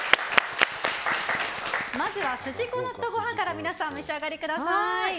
まずは筋子納豆ごはんから皆さんお召し上がりください。